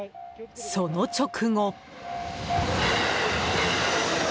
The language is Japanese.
その直後。